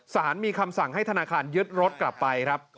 สารมีคำสั่งให้ธนาคารยึดรถกลับไปครับ